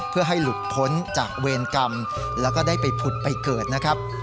เพื่อให้หลุดพ้นจากเวรกรรมแล้วก็ได้ไปผุดไปเกิดนะครับ